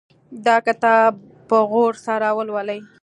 دا کتاب په غور سره ولولئ